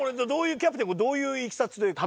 キャプテンどういういきさつで？